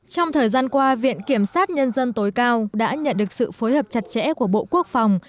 trong thời gian qua viện kiểm sát nhân dân tối cao đã nhận được sự phối hợp chặt chẽ của bộ quốc phòng